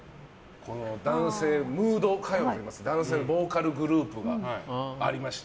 男性ムード歌謡といいますかボーカルグループがありまして。